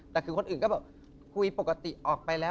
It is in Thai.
แต่คือคนอื่นก็แบบคุยปกติออกไปแล้ว